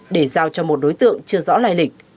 để giao cho một đối tượng chưa rõ lai lịch